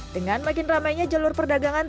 dengan makin ramainya jalur perdagangan